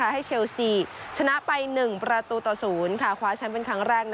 เชลซีชนะไป๑ประตูต่อ๐คว้าแชมป์เป็นครั้งแรก